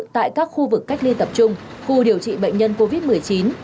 tại các khu vực cách ly tập trung khu điều trị bệnh nhân covid một mươi chín